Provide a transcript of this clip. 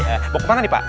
bapak kemana nih pak